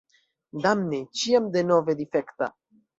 Damne, ĉiam denove difekta!